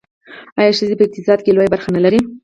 آیا ښځې په اقتصاد کې لویه برخه نلري؟